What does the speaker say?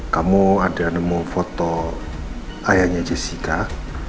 kamu ada nemu foto ayahnya jessy kak